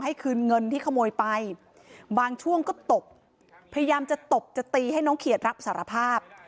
คืนเงินที่ขโมยไปบางช่วงก็ตบพยายามจะตบจะตีให้น้องเขียดรับสารภาพ